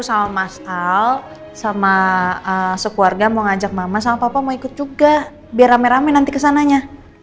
sama mas al sama sekeluarga mau ngajak mama sama papa mau ikut juga biar rame rame nanti kesananya